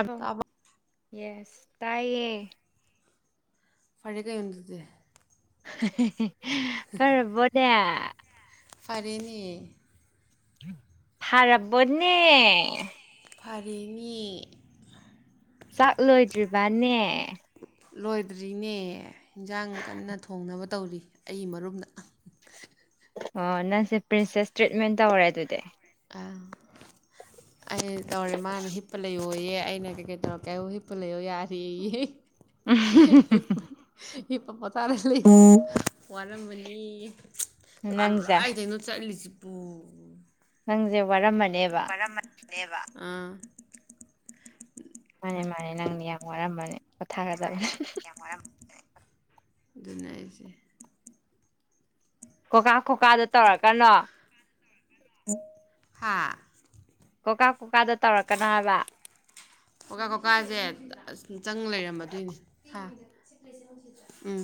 ꯑꯕꯣ ꯇꯥꯕ꯭ꯔꯣ ꯌꯦꯁ ꯇꯌꯦ ꯐꯔ ꯀꯩ ꯌꯗꯗꯤ [unintelligible] ꯐꯔꯕꯣꯗ ꯐꯔꯤꯅꯤ ꯐꯔꯞꯕꯅꯦ ꯐꯔꯤꯅꯤ ꯆꯥꯛ ꯂꯣꯏꯗ꯭ꯔꯤꯕꯅꯦ ꯂꯣꯏꯗ꯭ꯔꯤꯅꯦ ꯏꯟꯁꯥꯡ ꯀꯟꯅ ꯊꯣꯡꯅꯕ ꯇꯧꯔꯤ ꯑꯩ ꯃꯔꯨꯝꯗ ꯑꯣ ꯅꯪꯁꯦ ꯄ꯭ꯔꯤꯟꯁꯦꯁ ꯇ꯭ꯔꯤꯠꯃꯦꯟ ꯇꯧꯔꯦ ꯑꯗꯨꯗꯤ ꯑ ꯑꯩ ꯇꯧꯔꯦ ꯃꯥꯅ ꯍꯤꯞꯄ ꯂꯩꯌꯣꯌꯦ ꯑꯩꯅ ꯀꯩꯀꯩ ꯇꯧꯔꯀꯦ ꯍꯤꯞꯄ ꯂꯩꯌꯣ ꯌꯥꯔꯤꯌꯦ ꯎꯝ ꯍꯄ ꯄꯇꯥꯔꯦ ꯂꯩ ꯋꯥꯔꯝꯕꯅꯤ ꯅꯪꯁꯦ ꯀꯥꯂꯔꯥꯏꯗꯩꯅꯣ ꯆꯠꯂꯤꯁꯤ ꯑꯣ ꯍꯪꯖꯦ ꯋꯥꯔꯝꯃꯅꯤ ꯄꯔ ꯕ ꯎꯥ ꯃꯥꯅꯤ ꯃꯥꯅꯦ ꯅꯪꯗꯤ ꯌꯥꯝ ꯋꯥꯔꯝꯕꯅꯦ ꯀꯊꯥꯒꯗꯕꯅꯤ ꯑꯗꯨꯅꯁ ꯀꯣꯀꯥ ꯀꯣꯀꯥꯗ ꯇꯧꯔꯛꯀꯅꯣ ꯍꯥꯥ ꯀꯣꯀꯥ ꯀꯣꯀꯥꯗꯣ ꯇꯧꯔꯛꯀꯅꯣ ꯍꯥꯏꯕ ꯀꯀꯥ ꯀꯀꯥꯁꯦ ꯑꯁ ꯆꯪ ꯂꯩꯔꯝꯃꯗꯣꯏꯅꯦ ꯎꯝ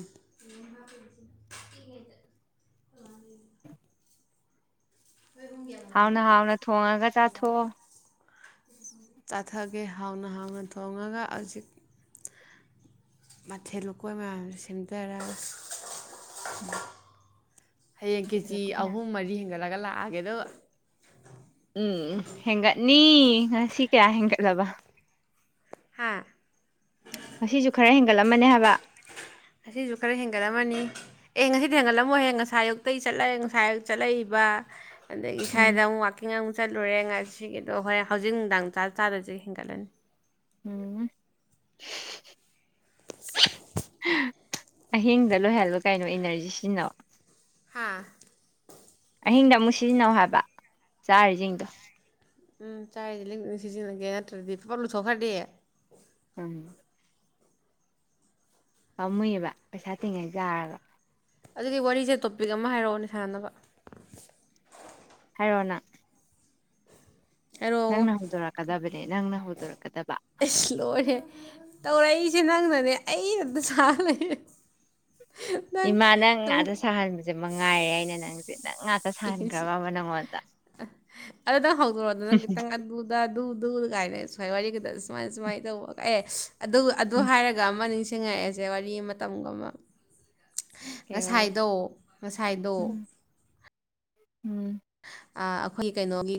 ꯍꯥꯎꯅ ꯍꯥꯎꯅ ꯊꯣꯡꯉꯒ ꯆꯥꯊꯣꯛꯑꯣ ꯆꯥꯊꯒꯦ ꯍꯥꯎꯅ ꯍꯥꯎꯅ ꯊꯣꯡꯉꯒ ꯍꯧꯖꯤꯛ ꯃꯊꯦꯜ ꯂꯨꯀꯣꯏ ꯃꯌꯥꯝꯁꯦ ꯁꯦꯝꯖꯔꯒ ꯎꯝ ꯍꯌꯦꯡ ꯀꯦꯖꯤ ꯑꯍꯨꯝ ꯃꯔꯤ ꯍꯦꯟꯒꯠꯂꯒ ꯂꯥꯛ ꯑꯒꯦꯗ ꯎꯝ ꯍꯦꯟꯒꯠꯅꯤ ꯉꯁꯤ ꯀꯌꯥ ꯍꯦꯟꯒꯠꯂꯕ ꯍꯥꯥ ꯉꯁꯤꯁꯨ ꯈꯔ ꯍꯦꯟꯒꯠꯂꯝꯃꯅꯦ ꯍꯥꯏꯕ ꯑꯁꯤꯁꯨ ꯈꯔ ꯍꯦꯟꯒꯠꯂꯝꯃꯅꯤ ꯑꯦ ꯉꯁꯤꯗꯤ ꯍꯦꯟꯒꯠꯂꯝꯃꯣꯏꯍꯦ ꯉꯁꯥꯏ ꯑꯌꯨꯛꯇꯇꯩꯒꯤ ꯆꯠꯂꯑꯦ ꯉꯁꯥꯏ ꯑꯌꯨꯛ ꯆꯠꯂꯛꯏꯕ ꯑꯗꯒꯤ ꯎꯝ ꯁ꯭ꯋꯥꯏꯗ ꯑꯃꯨꯛ ꯋꯥꯥꯛꯀꯤꯡ ꯑꯃ ꯆꯠꯂꯨꯔꯦ ꯉꯁꯤꯒꯤꯗꯣ ꯍꯣꯔꯣꯏ ꯍꯧꯖꯤꯛ ꯅꯨꯡꯗꯥꯡ ꯆꯥ ꯆꯥꯗꯁꯨ ꯍꯦꯟꯒꯠꯂꯅꯤ ꯎꯝ [inaudible] ꯑꯍꯤꯡꯗ ꯂꯣꯏꯍꯜꯕ ꯀꯩꯅꯣ ꯏꯅꯔꯖꯤ ꯁꯤꯖꯤꯟꯅꯧ ꯑꯥ ꯑꯍꯤꯡꯗ ꯑꯃꯨꯛ ꯁꯤꯖꯤꯟꯅꯧ ꯍꯥꯏꯕ ꯆꯥꯔꯤꯁꯤꯡꯗꯣ ꯎꯝ ꯆꯥꯏꯁꯦ ꯁꯤꯖꯤꯟꯅꯒꯦ ꯅꯠꯇ꯭ꯔꯗꯤ ꯄꯄ ꯂꯨꯊꯣꯛꯈ꯭ꯔꯗꯤꯦ ꯎꯝ ꯄꯥꯝꯃꯨꯏꯌꯦꯕ ꯄꯩꯁꯥ ꯇꯤꯡꯉꯩ ꯌꯥꯥꯔꯕ ꯑꯗꯨꯒꯤ ꯋꯥꯔꯤꯁꯦ ꯇꯣꯄꯤꯛ ꯑꯃ ꯍꯥꯏꯔꯛꯑꯣꯅꯦ ꯁꯥꯟꯅꯕ ꯍꯥꯏꯔꯣꯅ ꯍꯥꯏꯔꯣꯉꯣ ꯍꯧꯗꯣꯔꯛꯀꯗꯕꯅꯦ ꯅꯪꯅ ꯍꯧꯗꯣꯔꯛꯀꯗꯕ ꯑꯁ ꯂꯣꯏꯔꯦ ꯇꯧꯔꯛꯏ ꯏꯆꯦ ꯅꯪꯅꯅꯦ ꯑꯩ ꯑꯝꯇ ꯁꯥꯔꯦ ꯏꯃꯥ ꯅꯪ ꯉꯥꯗ ꯁꯥꯍꯟꯕꯁꯦ ꯃꯉꯥꯏꯔꯦ ꯑꯩꯅ ꯅꯪ ꯉꯥꯛꯇ ꯁꯥꯍꯟꯈ꯭ꯔꯕ ꯑꯃ ꯅꯪꯉꯣꯟꯗ ꯑꯗꯨ ꯅꯪ ꯍꯧꯗꯣꯔꯛꯑꯣꯗ ꯅꯪ ꯈꯤꯇꯪ ꯑꯗꯨꯗ ꯑꯗꯨ ꯗꯨꯗ ꯀꯥꯏꯅꯔꯁ ꯑꯩꯥꯏ ꯋꯥꯔꯤ ꯈꯛꯇꯪ ꯁꯨꯃꯥꯏ ꯁꯨꯃꯥꯏꯅ ꯇꯧꯕ ꯑꯦ ꯑꯗꯨ ꯑꯗꯨ ꯎꯝ ꯍꯥꯏꯔꯒ ꯑꯃ ꯅꯤꯡ ꯁꯤꯡꯉꯛꯑꯦꯁꯦ ꯋꯥꯔꯤ ꯃꯇꯝꯒꯨꯝ ꯑꯃ ꯀꯩ ꯋꯥꯔꯤ ꯉꯁꯥꯏꯗꯣ ꯉꯁꯥꯏꯗꯣ ꯎꯝ ꯎꯝ ꯑꯩꯈꯣꯏꯒꯤ ꯀꯩꯅꯣꯒꯤ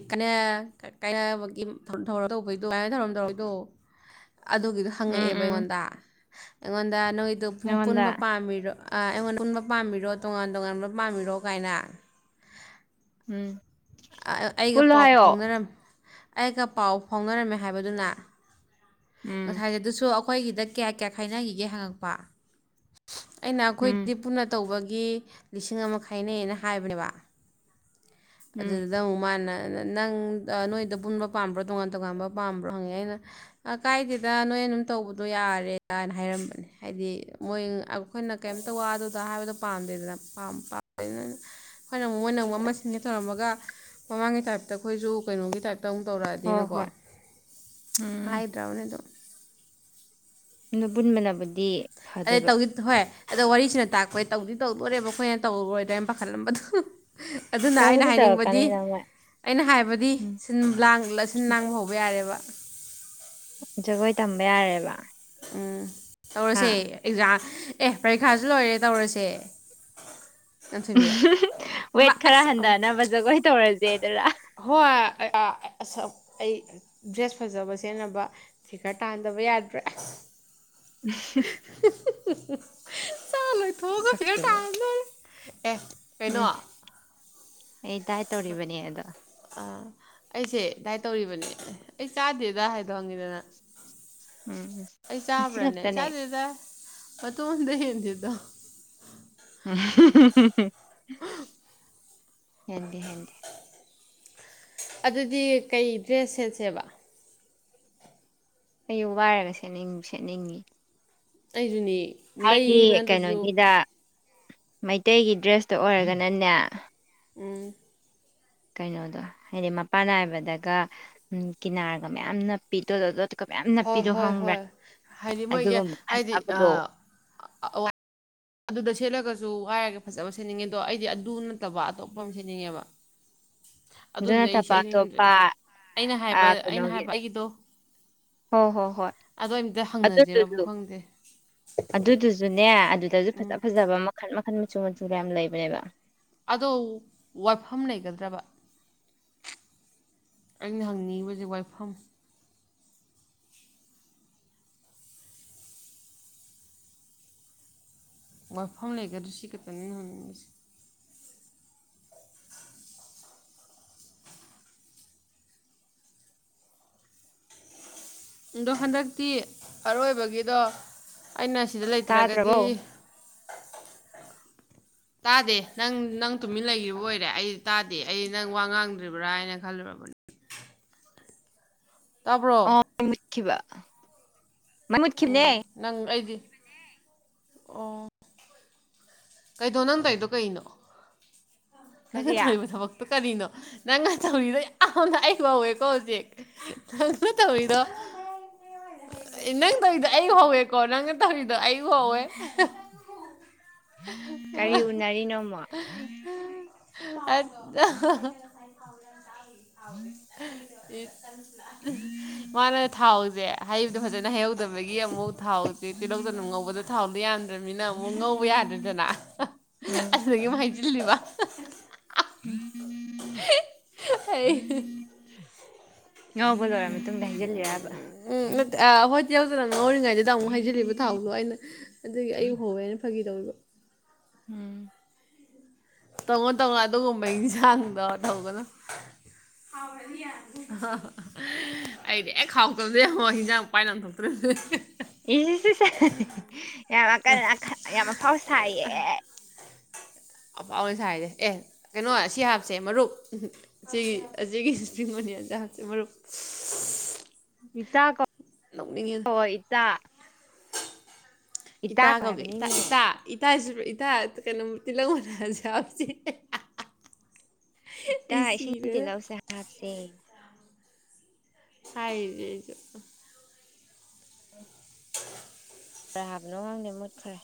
ꯀꯒꯤ ꯇꯧꯕꯗꯣ ꯀ ꯊꯧꯔꯝ ꯇꯧꯔꯏꯗꯣ ꯑꯗꯨꯒꯤꯗꯣ ꯎꯝ ꯍꯪꯉꯛꯑꯦꯕ ꯎꯝ ꯑꯩꯉꯣꯟꯗ ꯑꯩꯉꯣꯟ ꯗ ꯅꯣꯏꯗꯣ ꯄ ꯅꯪꯉꯣꯟꯗ ꯄꯨꯟꯕ ꯄꯥꯝꯃꯤꯔꯣ ꯑꯩꯉꯣꯟꯗ ꯄꯨꯟꯕ ꯄꯥꯝꯕꯤꯔꯣ ꯇꯣꯉꯥꯟ ꯇꯣꯉꯥꯟꯕ ꯄꯥꯝꯕꯤꯔꯣ ꯀꯥꯏꯅ ꯎꯝ ꯑꯩꯒ ꯄꯨꯜꯂꯣ ꯄꯥꯎ ꯐꯥꯎ ꯍꯥꯏꯌꯣ ꯐꯥꯎꯅꯔꯝꯃꯤ ꯑꯩꯒ ꯄꯥꯎ ꯐꯥꯎꯅꯔꯝꯃꯦ ꯍꯥꯏꯕꯗꯨꯅ ꯎꯝ ꯉꯥꯏꯖꯦ ꯑꯗꯨꯁꯨ ꯑꯩꯈꯣꯏꯒꯤꯗ ꯀꯌꯥ ꯀꯌꯥ ꯈꯥꯏꯅꯈꯤꯒꯦ ꯍꯪꯉꯛꯄ ꯑꯩꯅ ꯎꯝ ꯑꯩꯈꯣꯏꯗꯤ ꯄꯨꯟꯅ ꯇꯧꯕꯒꯤ [unintelligible] ꯎꯝ ꯑꯗꯨꯗꯨꯗ ꯎꯃꯥꯟꯅ ꯅꯪ ꯅꯣꯏꯗ ꯄꯨꯟꯕ ꯄꯥꯝꯕ꯭ꯔꯣ ꯇꯣꯉꯥꯟ ꯇꯣꯉꯥꯟꯕ ꯄꯥꯝꯕ꯭ꯔꯣ ꯍꯪꯉꯛꯦ ꯑꯩꯅ ꯀꯥꯏꯗꯦꯗ ꯅꯣꯏ ꯑꯗꯨꯝ ꯇꯧꯕꯗꯣ ꯌꯥꯔꯦ ꯀꯅ ꯍꯥꯏꯔꯝꯕꯅꯦ ꯍꯥꯏꯗꯤ ꯃꯣꯏ ꯑꯩꯈꯣꯏꯅ ꯀꯩꯝ ꯇꯧ ꯑꯗꯨꯗ ꯍꯥꯏꯕꯗꯣ ꯄꯥꯝꯗꯦꯗꯅꯥꯝ ꯍꯣꯏꯅ ꯃꯣꯏꯅ ꯑꯃꯨ ꯑꯃ ꯁꯤꯟꯦ ꯇꯧꯔꯃꯒ ꯃꯃꯥꯡꯒꯤ ꯇꯥꯏꯞꯇ ꯑꯩꯈꯣꯏꯁꯨ ꯀꯩꯅꯣꯒꯤ ꯇꯥꯏꯞꯇ ꯇꯧ ꯍꯣꯏ ꯇꯧꯔꯛꯑꯗꯤꯅꯀꯣ ꯍꯣꯏ ꯎꯝ ꯍꯥꯏꯗ꯭ꯔꯕꯅꯦ ꯑꯗꯨꯝ ꯑꯕꯨꯟ ꯃꯅꯥꯕꯨꯗꯤ ꯑꯗ ꯇꯧ ꯍꯣꯏ ꯑꯗꯣ ꯋꯥꯔꯤꯁꯤꯅ ꯇꯥꯛꯄꯩ ꯇꯧꯗꯤ ꯇꯧꯗꯣꯔꯦꯕ ꯑꯩꯈꯣꯏꯅ ꯇꯧꯔꯣꯏꯗ꯭ꯔꯥꯅ ꯄꯥꯈꯠꯂꯝꯕꯗꯨꯣ ꯑꯗꯨꯅ ꯑꯩꯅ ꯇꯧꯕꯨꯗꯤ ꯍꯥꯏꯅꯤꯡꯕꯗꯤ ꯇꯧꯔꯛꯀꯅꯤꯗ ꯃꯣꯏ ꯑꯩꯅ ꯍꯥꯏꯕꯗꯤ ꯎꯝ ꯁꯤꯟ ꯂꯥꯡ ꯁꯤꯟ ꯂꯥꯡꯕ ꯍꯧꯕ ꯌꯥꯔꯦꯕ ꯑ ꯖꯒꯣꯏ ꯇꯝꯕ ꯌꯥꯔꯦꯕ ꯑꯥ ꯇꯧꯔꯁꯦ ꯍꯥ ꯑꯦꯛꯖꯥꯝ ꯑꯦ ꯄꯔꯤꯈꯥꯁꯨ ꯂꯣꯏꯔꯦ ꯇꯧꯔꯁꯦ ꯎꯝ ꯅꯥꯟꯊꯣꯏꯕꯤ ꯋꯦꯠ ꯑꯃ ꯈꯔ ꯑꯁ ꯍꯟꯊꯅꯕ ꯖꯒꯣꯏ ꯇꯧꯔꯁꯦꯗꯔ ꯍꯣꯏ ꯑꯁ ꯑꯩ ꯗ꯭ꯔꯦꯁ ꯐꯖꯕ ꯁꯦꯟꯅꯕ ꯁꯤ ꯈꯔ ꯇꯥꯍꯟꯗꯕ ꯌꯥꯗ꯭ꯔꯦ ꯎ [unintelligible] ꯏꯊꯣ ꯍꯒ ꯐꯦꯔ ꯇꯥ ꯁꯛꯇꯨꯒ ꯍ ꯑꯦ ꯀꯩꯅꯣ ꯑꯩꯗꯥꯥꯏ ꯇꯧꯔꯤꯕꯅꯦ ꯑꯗꯣ ꯑꯥ ꯑꯩꯁꯦ ꯗꯥꯏ ꯇꯧꯔꯤꯕꯅꯦ ꯑꯩ ꯆꯥꯗꯦꯗ ꯍꯥꯏꯗ ꯍꯪꯉꯤꯗꯅ ꯎꯝ ꯎꯝ ꯑꯩ ꯉꯁꯤ ꯆꯥꯕ꯭ꯔꯥꯅꯦ ꯈꯛꯇꯅꯦ ꯆꯥꯗꯦꯗ ꯑ ꯇꯣꯟ ꯍꯦꯟꯗꯗ [unintelligible] ꯎꯝ ꯍꯥꯏꯗꯤ ꯍꯗꯤ ꯑꯗꯨꯗꯤ ꯀꯩ ꯗ꯭ꯔꯦꯁ ꯁꯦꯠꯁꯦꯕ ꯑꯌꯨꯛ ꯋꯥꯏꯔꯒ ꯁꯠꯅꯤꯡ ꯁꯦꯠꯅꯤꯡꯉꯤ ꯑꯩꯗꯨꯅꯤ ꯍꯥꯏꯗꯤ ꯀꯩꯅꯣꯒꯤꯗ ꯃꯩꯇꯩꯒꯤ ꯗ꯭ꯔꯦꯁꯇꯣ ꯑꯣꯏꯔꯒꯅꯅꯦ ꯎꯝ ꯀꯩꯅꯣꯗꯣ ꯍꯥꯏꯗꯤ ꯃꯄꯥꯟ ꯅꯥꯏꯕꯗꯒ ꯀꯤꯅꯥꯔꯒ ꯃꯌꯥꯝꯅ ꯄꯤꯗꯣ ꯍꯣꯏ ꯍꯣꯏ ꯍꯣꯏ ꯍꯥꯏꯗꯤ ꯃꯣꯏꯒꯤ ꯑꯗꯨꯒꯨꯝꯕ ꯍꯥꯏꯗꯤ ꯐꯖꯕꯗꯣ ꯑꯗꯨꯗ ꯁꯦꯠꯂꯒꯁꯨ ꯋꯥꯏꯔꯒ ꯐꯖꯕ ꯁꯦꯠꯅꯤꯡꯉꯦ ꯑꯗꯣ ꯑꯩꯗꯤ ꯑꯗꯨ ꯅꯠꯇꯕ ꯑꯇꯣꯞꯄ ꯑꯃ ꯁꯦꯠꯅꯤꯡꯉꯦꯕ ꯑꯗꯨ ꯑꯗꯨꯗꯤ ꯑꯩ ꯅꯠꯇꯕ ꯁꯦꯠꯅꯤꯡꯗ꯭ꯔꯦ ꯑꯇꯣꯞꯄ ꯑꯩꯅ ꯍꯥꯏꯕ ꯑꯩꯅ ꯀꯩꯅꯣꯒꯤ ꯍꯥꯏꯕ ꯑꯩꯒꯤꯗꯣ ꯍꯣꯏ ꯍꯣꯏ ꯍꯣꯏ ꯑꯗꯣ ꯑꯝꯇ ꯍꯪꯅꯁꯤꯔꯕꯨ ꯑꯗꯨꯗꯨꯁꯨ ꯈꯪꯗꯦ ꯑꯗꯨꯗꯨꯁꯨꯅꯦ ꯑꯗꯨꯗꯁꯨ ꯎꯝ ꯐꯖ ꯐꯖꯕ ꯃꯈꯜ ꯃꯈꯟ ꯃꯆꯨ ꯃꯆꯨꯒ ꯌꯥꯝ ꯂꯩꯕꯅꯦꯕ ꯑꯗꯣ ꯋꯥꯏꯐꯝ ꯂꯩꯒꯗ꯭ꯔꯕ ꯑꯩꯅ ꯍꯪꯅꯤꯡꯉꯤꯕꯁꯦ ꯋꯥꯏꯐꯝ ꯋꯥꯐꯝ ꯂꯩꯒ꯭ꯔ ꯁꯤ ꯈꯛꯇꯅꯤꯍꯪꯅꯤꯡꯉꯁꯦ ꯑꯗꯣ ꯍꯟꯗꯛꯇꯤ ꯑꯔꯣꯏꯕꯒꯤꯗꯣ ꯑꯩꯅ ꯁꯤꯗ ꯇꯥꯗ꯭ꯔꯕꯣ ꯂꯩꯇ꯭ꯔꯒꯗꯤ ꯇꯥꯗꯦ ꯅꯪ ꯅꯪ ꯇꯨꯃꯤꯟ ꯂꯩꯈꯤꯕ ꯑꯣꯏꯔꯦ ꯑꯩ ꯇꯥꯗꯦ ꯑꯩ ꯅꯪ ꯋꯥ ꯉꯥꯡꯗ꯭ꯔꯤꯕ꯭ꯔꯥ ꯍꯥꯏꯅ ꯈꯜꯂꯨꯔꯕꯅꯤ ꯇꯥꯕ꯭ꯔꯣ ꯈꯤꯕ ꯃ ꯎꯝ ꯃꯨꯠꯈꯤꯕꯅꯦ ꯅꯪ ꯑꯩꯗꯤ ꯀꯩꯗꯣ ꯅꯪ ꯀꯩꯗꯣ ꯀꯩꯅꯣ ꯅꯪꯅ ꯀꯔꯤ ꯊꯧꯏꯕ ꯊꯕꯛꯇꯣ ꯀꯔꯤꯅꯣ ꯅꯪꯅ ꯇꯧꯔꯤꯗꯣ ꯌꯥꯝꯅ ꯑꯩ ꯍꯧꯋꯦꯀꯣ ꯍꯧꯖꯤꯛ ꯅꯪꯅ ꯇꯧꯔꯤꯗꯣ ꯅꯪ ꯇꯧꯔꯤꯗꯣ ꯑꯩ ꯍꯧꯋꯦꯀꯣ ꯅꯪꯅ ꯇꯧꯔꯤ ꯑꯌ ꯍꯋꯦ ꯀꯔꯤ ꯎꯅꯔꯤꯅꯣꯃ ꯑ ꯑ [unintelligible] ꯑꯦ ꯃꯥꯅ ꯊꯥꯎꯁꯦ ꯍꯩꯕꯗꯣ ꯐꯖꯅ ꯍꯩꯍꯧꯗꯕꯗꯒꯤ ꯑꯃꯨꯛ ꯊꯥꯎꯁꯦ ꯇꯤꯜꯍꯧꯗꯅꯨ ꯉꯧꯕꯗ ꯊꯥꯎꯗꯤꯣ ꯌꯥꯝꯗ꯭ꯔꯕꯅꯤꯅ ꯑꯃꯨꯛ ꯉꯧꯕ ꯌꯥꯗ꯭ꯔꯅꯤꯅ ꯑꯗꯨꯅ ꯎꯝ ꯑꯗꯨꯗꯒꯤ ꯍꯥꯏꯩꯖꯤꯜꯂꯤꯕ [unintelligible] ꯎꯝ ꯉꯧꯕ ꯂꯣꯏꯔ ꯃꯇꯨꯡꯗ ꯍꯩꯖꯤꯜꯂꯤꯔꯕ ꯎ ꯑ ꯍꯣꯏꯇ ꯉ ꯑꯣꯏꯔꯤꯉꯩꯗꯨꯗ ꯑꯃꯨꯛ ꯍꯥꯏꯖꯤꯜꯂꯤꯕ ꯊꯥꯎꯗꯣ ꯑꯩꯅ ꯑꯗꯨꯗꯒꯤ ꯑꯩꯛ ꯍꯧꯋꯦꯅ ꯐꯥꯈꯤ ꯌꯎꯂꯨ ꯎꯝ ꯇꯣꯡꯉꯣ ꯇꯣꯡꯉꯣ ꯑꯗꯨꯒꯨꯝꯕ ꯌꯦꯟꯁꯥꯡꯗꯣ ꯇꯧꯒꯅꯨ ꯑꯩꯗꯤ ꯑꯦ ꯈꯥꯎꯇꯕꯗꯦ ꯌꯦꯡꯉꯣ ꯍꯟꯖꯥꯡ ꯄꯥꯏꯅ ꯊꯣꯛꯇ꯭ꯔꯔꯤꯕ ꯏꯁꯤ ꯁ ꯌꯥꯝ ꯀ ꯌꯥꯝꯐꯥꯎ ꯁꯥꯏꯌꯦ ꯑꯐꯥꯎ ꯑꯣꯏꯅ ꯁꯥꯏꯁꯦ ꯑꯦ ꯀꯩꯅꯣ ꯁꯤ ꯍꯥꯞꯁꯦ ꯃꯔꯨꯞ ꯁꯤꯒꯤ ꯑꯁꯤꯒꯤ ꯆꯤꯡꯕꯅꯤ ꯍꯥꯞꯁꯦ ꯃꯔꯨꯞ ꯏꯇꯥ ꯀ ꯅꯣꯛꯅꯤꯡꯉꯦꯗ ꯏꯇꯥ ꯏꯇꯥ ꯀꯧ ꯀꯧꯒꯦ ꯏ ꯍꯥꯏꯕꯅꯤꯅꯦ ꯏꯇꯥ ꯏꯇꯥꯁꯨ ꯀꯩꯅ ꯃꯇꯤ ꯂꯉꯣꯅꯖ ꯏꯇꯥ ꯏꯁꯤꯡ ꯇꯤꯜꯂꯛꯧꯁꯦ ꯍꯥꯞꯁꯦ ꯍꯥꯏꯔ ꯔꯦ ꯍꯥꯏꯕꯅꯣ ꯉꯪꯗꯦ ꯃꯨꯠꯈ꯭ꯔꯦ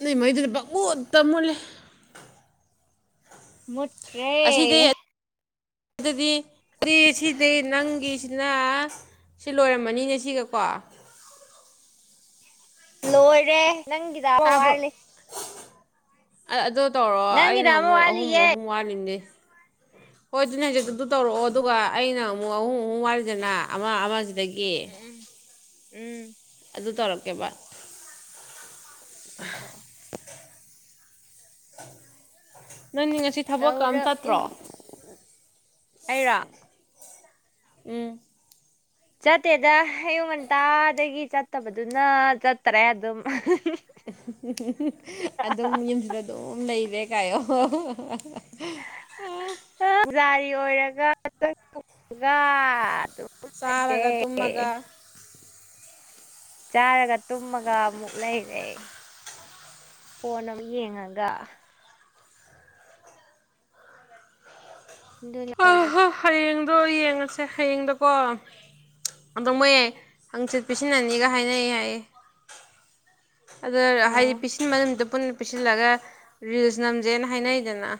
ꯅꯣꯏ ꯃꯩꯗꯨꯅ ꯄꯥꯄꯨꯠꯇ ꯃꯨꯜꯂꯦ ꯃꯠ꯭ꯔꯦ ꯑꯗꯨꯗꯤ ꯑꯦ ꯁꯤꯗꯤ ꯅꯪꯒꯤꯁꯤꯅ ꯁꯤ ꯂꯣꯏꯔꯝꯃꯅꯤꯅꯦ ꯁꯤꯒꯀꯣ ꯂꯣꯏꯔꯦ ꯅꯪꯒꯤꯗ ꯋꯥꯠꯂꯤ ꯑꯗꯣ ꯇꯧꯔꯣ ꯑꯩꯅ ꯅꯪꯒꯤꯗ ꯑꯃ ꯑꯃꯨꯛ ꯑꯍꯨꯝ ꯋꯥꯠꯂꯤꯌꯦ ꯑꯍꯨꯝ ꯋꯥꯠꯂꯤꯅꯦꯩ ꯍꯣꯏ ꯑꯗꯨꯅꯦ ꯍꯧꯖꯤ ꯑꯗꯨ ꯇꯧꯔꯛꯑꯣ ꯑꯗꯨꯒ ꯑꯩꯅ ꯑꯃꯨꯛ ꯑꯍꯨꯝ ꯑꯍꯨꯝ ꯋꯥꯔꯤꯗꯅ ꯑꯃꯁꯤ ꯑꯗꯒꯤ ꯎꯝ ꯎꯝ ꯎꯝ ꯑꯗꯨ ꯇꯧꯔꯛꯀꯦꯕꯥꯠ ꯇꯧꯔꯛꯑꯣ [unintelligible] ꯅꯪꯗꯤ ꯉꯁꯤ ꯊꯕꯛꯀꯝ ꯆꯠꯇ꯭ꯔꯣ ꯑꯩꯔꯥꯛ ꯎꯝ ꯆꯠꯇꯦꯗ ꯑꯌꯨꯛ ꯉꯟꯇꯥꯗꯒꯤ ꯆꯠꯇꯕꯗꯨꯅ ꯆꯠꯇꯔꯦ ꯑꯗꯨꯝ ꯑꯗꯨꯝ ꯌꯨꯝꯁꯤꯗ ꯑꯗꯨꯝ ꯂꯩꯔꯦ ꯀꯌꯣ ꯑ ꯔꯤ ꯑꯣꯏꯔꯒꯒ ꯑꯗꯨ ꯆꯥꯔꯒ ꯇꯨꯝꯃꯒ ꯆꯥꯔꯒ ꯇꯨꯝꯃꯒ ꯑꯃꯨꯛ ꯂꯩꯔꯦ ꯐꯣꯟ ꯑꯃꯛ ꯌꯦꯡꯉꯒ ꯗ ꯂꯔꯕꯁ ꯑꯗꯣ ꯌꯦꯡꯉꯁꯦ ꯍꯌꯦꯡꯗꯀꯣ ꯑꯗꯣ ꯃꯣꯏ ꯍꯪꯆꯤꯠ ꯄꯁꯤꯟ ꯑꯅꯤꯒ ꯍꯥꯏꯅꯩ ꯍꯥꯏꯌꯦ ꯑꯗ ꯍꯥꯏꯗꯤ ꯑꯣ ꯄꯤꯁꯤꯟ ꯃꯅꯨꯡꯗꯗꯨ ꯄꯨꯟꯅ ꯄꯤꯁꯤꯜꯂꯒ ꯔꯤꯜꯁ ꯅꯝꯖꯦꯅ ꯍꯥꯏꯅꯩꯗꯅ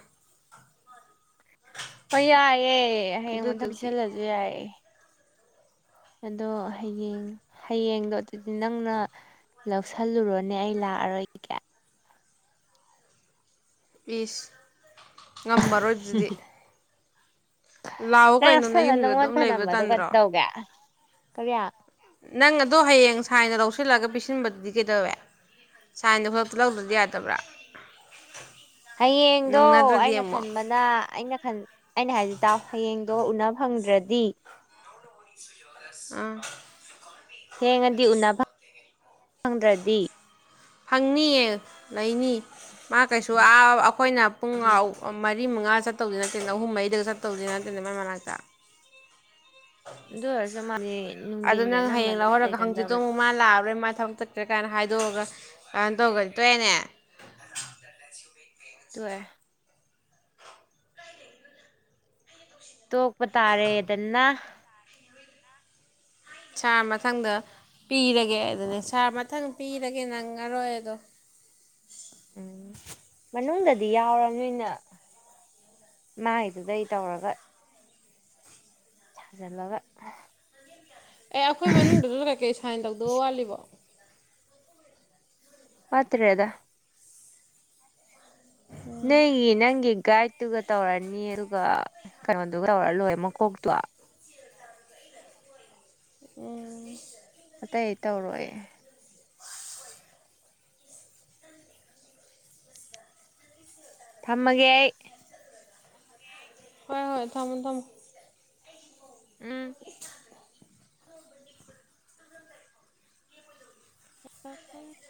ꯍ ꯌꯥꯏꯌꯦꯦ ꯑꯦ ꯍꯌꯦꯡ ꯑꯗꯨꯗꯨꯒꯤ ꯃꯇꯕꯤꯁꯤꯜꯂꯁꯨ ꯌꯥꯏ ꯑꯗꯣ ꯍꯌꯦꯡ ꯍꯌꯦꯡꯗꯣ ꯑꯗꯨꯗꯤ ꯅꯪꯅ ꯂꯧꯁꯜꯂꯨꯔꯣꯅꯦ ꯑꯩ ꯂꯥꯛꯑꯔꯣꯏꯒꯦ ꯁ ꯉꯝꯃꯔꯣꯏ ꯑꯗꯨꯗꯤ ꯂꯥꯛꯑꯣ ꯅꯪ ꯀꯩꯅꯣ ꯅ ꯂꯧꯁꯜꯂ ꯌꯨꯝꯗꯨꯗ ꯑꯗꯨꯝ ꯂꯩꯕ꯭ꯔꯥ ꯇꯟꯗ꯭ꯔꯣ ꯀꯔꯤꯌꯥ ꯅꯪ ꯑꯗꯣ ꯍꯌꯦꯡ ꯁꯥꯏꯅ ꯂꯧꯁꯤꯜꯂꯒ ꯄꯤꯁꯤꯟꯕꯗꯨꯗꯤ ꯀꯩꯗꯧꯋꯦ ꯁꯥꯏꯅꯗ ꯈꯨꯂꯛꯇ ꯂꯧꯗ꯭ꯔꯗꯤ ꯌꯥꯗꯕ꯭ꯔꯥ ꯍꯌꯦꯡꯗꯣ ꯅꯪꯅꯗ꯭ꯔꯗꯤ ꯑꯩꯅ ꯑꯃꯨꯛ ꯈꯟꯕꯅ ꯑꯩꯅ ꯈꯟ ꯑꯩꯅ ꯍꯥꯏꯁꯤ ꯇꯥꯎ ꯍꯌꯦꯡꯗꯣ ꯎꯅꯕ ꯐꯪꯗ꯭ꯔꯗꯤ [unintelligible] [inaudible] ꯎꯝ ꯊꯦꯡꯉꯗꯤ ꯎꯅꯕ ꯐꯪꯗ꯭ꯔꯗꯤ ꯐꯪꯅꯤꯌꯦ ꯂꯩꯅꯤ ꯃꯥ ꯀꯩꯁꯨ ꯑꯩꯈꯣꯏꯅ ꯄꯨꯡ ꯃꯔꯤ ꯃꯉꯥ ꯆꯠꯇꯧꯗꯤ ꯅꯠꯇꯦꯅ ꯑꯍꯨꯝ ꯃꯔꯤꯗꯒ ꯆꯠꯇꯧꯗꯤ ꯅꯠꯇꯦ ꯃꯣꯏ ꯃꯅꯥꯛꯇ ꯑꯗꯨ ꯑꯣꯏꯔꯁꯨ ꯃꯥꯗꯤ ꯑꯗꯨ ꯅꯨꯡꯊꯤꯟꯗꯤ ꯅꯪ ꯍꯌꯦꯡ ꯑꯅꯝꯕꯅ ꯂꯧꯍꯧꯔꯒ ꯍꯪꯖꯠꯇꯣ ꯂꯩꯒꯟꯗꯕꯅꯦ ꯑꯃꯨ ꯃꯥ ꯂꯥꯛꯑꯔꯣꯏ ꯃꯥ ꯊ ꯇꯀ꯭ꯔꯦ ꯀꯥꯏꯅ ꯍꯥꯏꯗꯣꯛꯑꯒ ꯀꯥꯏꯅ ꯇꯧꯒꯅꯤ ꯇꯣꯛꯦꯅꯦ ꯑꯗꯨ ꯑꯣꯏꯔꯦ ꯇꯣꯛꯄ ꯇꯥꯔꯦꯗꯅ ꯁꯥꯔ ꯃꯊꯪꯗ ꯄꯤꯔꯒꯦ ꯑꯗꯨꯅꯦ ꯁꯥꯔ ꯃꯊꯪ ꯄꯤꯔꯒꯦ ꯅꯪꯉꯔꯣꯏ ꯑꯗꯣ ꯎꯝ ꯃꯅꯨꯡꯗꯗꯤ ꯌꯥꯎꯔ ꯅꯣꯏꯅ ꯃꯥꯥꯏꯒꯤꯗꯨꯗꯩ ꯇꯧꯔꯒ ꯁꯖꯜꯂꯒ ꯑꯦ ꯑꯩꯈꯣꯏ ꯃꯅꯨꯡꯗꯨꯅ ꯀꯩꯀꯩ ꯁꯥꯏꯟ ꯇꯧꯗꯧ ꯋꯥꯠꯂꯤꯕꯣ ꯄꯠꯇ꯭ꯔꯦꯗ ꯅ ꯅꯪꯦ ꯒꯥꯏꯗꯇꯨꯒ ꯇꯧꯔꯅꯤ ꯑꯗꯨꯒ ꯀꯩꯅꯣꯗꯨꯒ ꯇꯧꯔ ꯂꯣꯏ ꯃꯀꯣꯛꯇꯣ ꯎ ꯑꯇꯩ ꯇꯧꯔꯣꯏꯑꯦ ꯊꯝꯃꯒꯦ ꯑꯩ ꯍꯣꯏ ꯍꯣꯏ ꯊꯝꯃꯃꯦꯣ ꯊꯝꯃꯣ ꯎꯝ ꯑꯣꯄꯄ